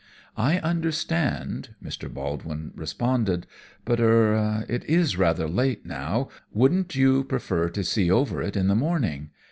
"I understand," Mr. Baldwin responded, "but er it is rather late now; wouldn't you prefer to see over it in the morning?